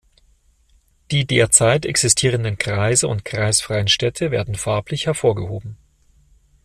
Die derzeit existierenden Kreise und kreisfreien Städte werden farblich hervorgehoben.